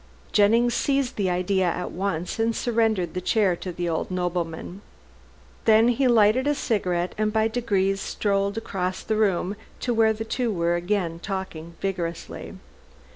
Jennings seized the idea at once and surrendered the chair to the old nobleman. Then he lighted a cigarette and by degrees strolled across the room to where the two were again talking vigorously.